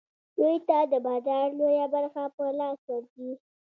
دوی ته د بازار لویه برخه په لاس ورځي